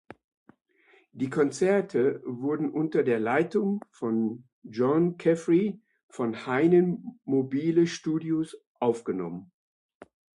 Die Konzerte wurden unter der Leitung von Jon Caffery von Heinen Mobile Studios aufgenommen.